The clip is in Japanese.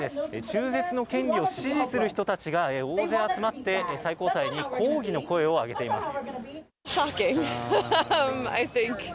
中絶の権利を支持する人たちが大勢集まって最高裁に抗議の声をあげています。